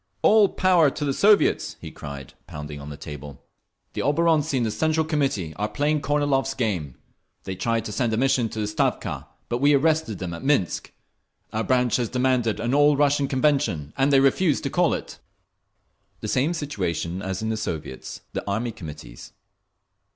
"All power to the Soviets!" he cried, pounding on the table. "The oborontsi in the Central Committee are playing Kornilov's game. They tried to send a mission to the Stavka, but we arrested them at Minsk…. Our branch has demanded an All Russian Convention, and they refuse to call it…." The same situation as in the Soviets, the Army Committees.